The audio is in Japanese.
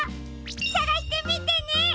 さがしてみてね！